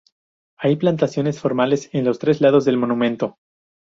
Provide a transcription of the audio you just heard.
Hay plantaciones formales en los tres lados del monumento.